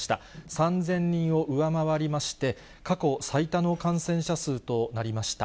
３０００人を上回りまして、過去最多の感染者数となりました。